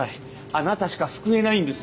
あなたしか救えないんです。